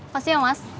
pasti ya mas